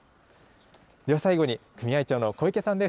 では、最後に組合長の小池さんです。